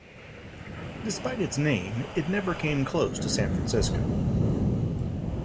Despite its name, it never came close to San Francisco.